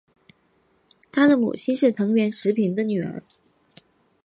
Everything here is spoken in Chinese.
他的母亲是藤原时平的女儿。